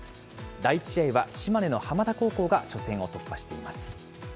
第１試合は島根の浜田高校が初戦を突破しています。